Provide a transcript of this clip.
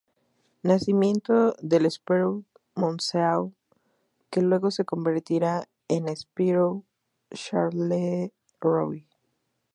Nacimiento del Spirou Monceau que luego se convertirá en Spirou Charleroi.